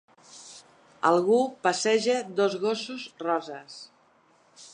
Algú passeja dos gossos roses.